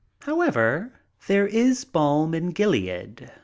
However, there is balm in Gilead.